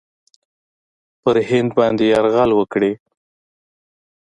پر هند باندي یرغل وکړي.